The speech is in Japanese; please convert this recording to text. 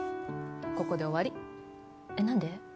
ここで終わりえっ何で？